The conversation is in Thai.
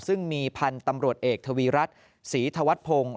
ซึ่งมีพันธุ์ตำรวจเอกทวีรัฐศรีธวัฒนพงศ์